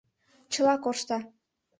— Чыла коршта.